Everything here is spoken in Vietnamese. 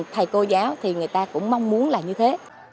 thầy cô giáo thì người ta cũng mong muốn là như thế